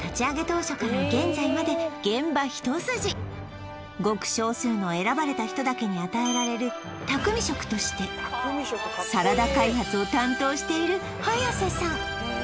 当初から現在まで現場一筋ごく少数の選ばれた人だけに与えられる匠職としてサラダ開発を担当している早瀬さん